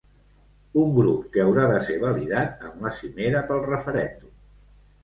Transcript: Un grup que haurà de ser validat en la cimera pel referèndum.